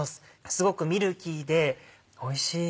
すごくミルキーでおいしい。